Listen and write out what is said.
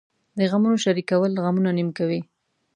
د غمونو شریکول غمونه نیم کموي .